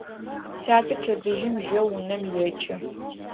Сятэ пчэдыжьым жьэу унэм екӏы.